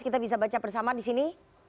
kita bisa baca bersama disini